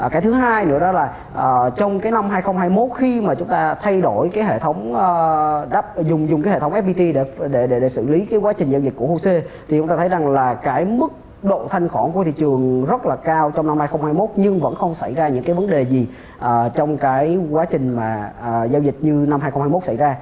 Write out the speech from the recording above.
cái thứ hai nữa đó là trong cái năm hai nghìn hai mươi một khi mà chúng ta thay đổi cái hệ thống dùng cái hệ thống fpt để xử lý cái quá trình giao dịch của hồ chí minh thì chúng ta thấy rằng là cái mức độ thanh khoản của thị trường rất là cao trong năm hai nghìn hai mươi một nhưng vẫn không xảy ra những cái vấn đề gì trong cái quá trình mà giao dịch như năm hai nghìn hai mươi một xảy ra